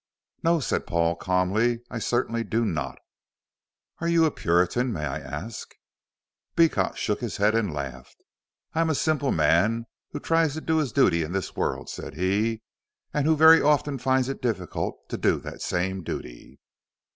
"No," said Paul, calmly, "I certainly do not." "Are you a Puritan may I ask?" Beecot shook his head and laughed. "I am a simple man, who tries to do his duty in this world," said he, "and who very often finds it difficult to do that same duty."